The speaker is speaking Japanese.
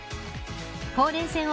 ほうれい線を